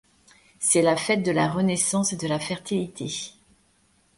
C'est la fête de la renaissance et de la fertilité.